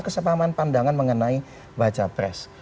kesepahaman pandangan mengenai baca pres